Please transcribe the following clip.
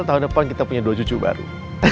tahun depan kita punya dua cucu baru